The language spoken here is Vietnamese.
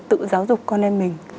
tự giáo dục con em mình